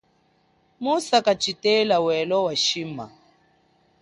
Musaka tshitela welo wa shima.